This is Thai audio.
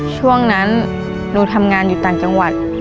ช่วงนั้นหนูทำงานอยู่ต่างจังหวัด